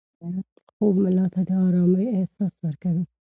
خوب ملا ته د ارامۍ احساس ورکوي.